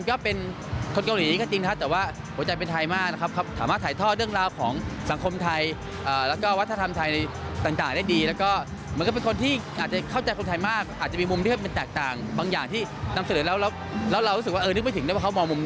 อันดุชาจากอุณสการอันนี้หน้าใหม่เลยครับ